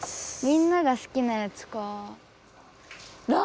みんなが好きなやつか。